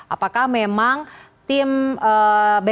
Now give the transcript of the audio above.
apakah memang tim bksda ataupun tim asap